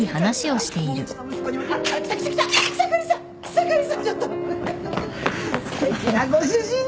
すてきなご主人ね。